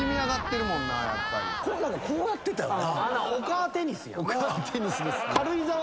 こうやってたよな？